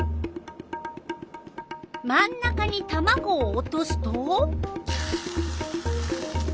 真ん中にたまごを落とすと？